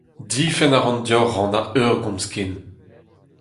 Difenn a ran deoc’h rannañ ur gomz ken.